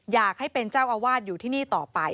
อยากให้เป็นเจ้าอาวาสอยู่ที่นี่ต่อไป